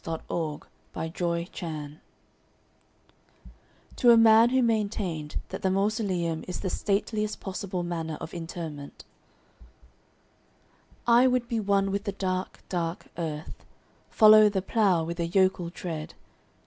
The Traveller heart (To a Man who maintained that the Mausoleum is the Stateliest Possible Manner of Interment) I would be one with the dark, dark earth:— Follow the plough with a yokel tread.